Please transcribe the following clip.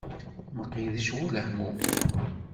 Mqidec bu lehmum.